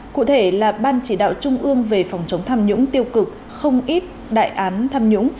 cụ thể là ban chỉ đạo trung ương về phòng chống tham nhũng tiêu cực không ít đại án tham nhũng